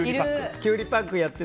キュウリパックやって。